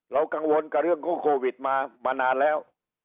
กังวลกับเรื่องของโควิดมามานานแล้ว